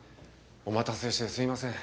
お待たせしてすいません。